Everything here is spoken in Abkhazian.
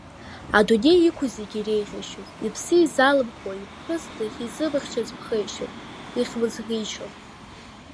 Адунеи иқәу зегьы иреиӷьаишьоз, иԥсы изалымхуа иԥҳәыс дахьизымыхьчаз ԥхеишьон, ихьмыӡӷишьон.